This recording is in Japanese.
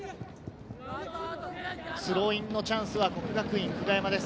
スローインのチャンスは國學院久我山です。